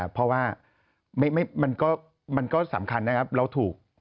เพราะว่ามันก็สำคัญนะครับเราถูก